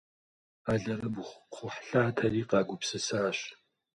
Алэрыбгъу-кхъухьлъатэри къагупсысащ.